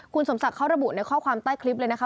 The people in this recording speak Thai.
คุณสมศักดิ์เขาระบุในข้อความใต้คลิปเลยนะคะ